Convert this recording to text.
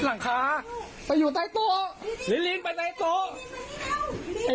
หลังคาไปอยู่ใต้โต๊ะหรือลิงไปในโต๊ะ